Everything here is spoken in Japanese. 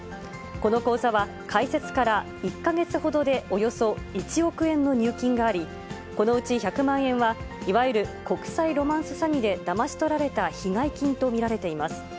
この口座は、開設から１か月ほどでおよそ１億円の入金があり、このうち１００万円は、いわゆる国際ロマンス詐欺でだまし取られた被害金と見られています。